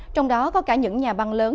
trong đó có cả những nhà băng lớn